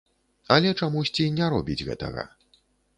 Але чамусьці не робіць гэтага.